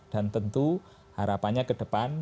dan tentu harapannya ke depan